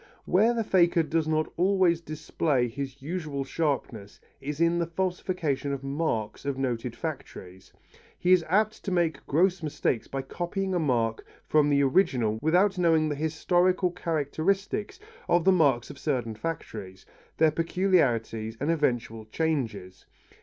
Where the faker does not always display his usual sharpness is in the falsification of marks of noted factories. He is apt to make gross mistakes by copying a mark from an original without knowing the historical characteristics of the marks of certain factories, their peculiarities and eventual changes.